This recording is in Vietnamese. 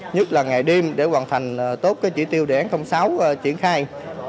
nhất là ngày đêm để hoàn thành tốt chỉ tiêu đề án sáu triển khai